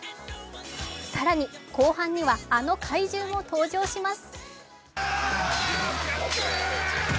更に、後半にはあの怪獣も登場します。